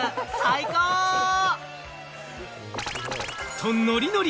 と、ノリノリ！